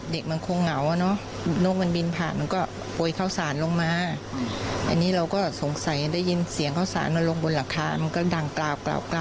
เด็กมันคงเหงาอะเนอะ